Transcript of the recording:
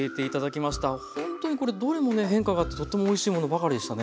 ほんとにこれどれもね変化があってとてもおいしいものばかりでしたね。